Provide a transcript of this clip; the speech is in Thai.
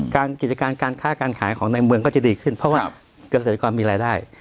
กิจการการค้าการขายของในเมืองก็จะดีขึ้นเพราะว่าเกษตรกรมีรายได้